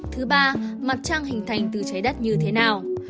thứ ba mặt trăng hình thành từ trái đất như thế nào